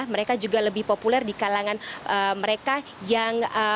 mereka juga lebih populer di kalangan mereka yang